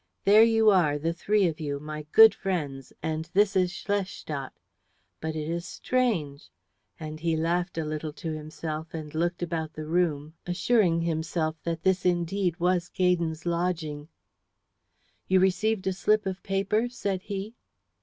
"There you are, the three of you, my good friends, and this is Schlestadt. But it is strange," and he laughed a little to himself and looked about the room, assuring himself that this indeed was Gaydon's lodging. "You received a slip of paper?" said he.